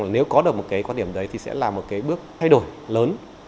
nếu có được một quan điểm đấy thì sẽ là một bước thay đổi lớn